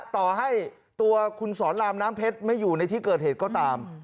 ต่อให้ตัวคุณสอนรามน้ำเพชรไม่อยู่ในที่เกิดเหตุก็ตาม